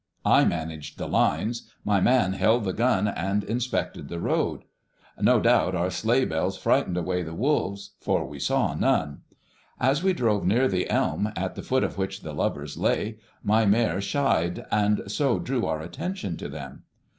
I managed the lines; my man held the gun and inspected the road. No doubt our sleigh bells frightened away the wolves, for we saw none. As we drove near the elm at the foot of which the lovers lay, my mare shied, and so drew our attention to them.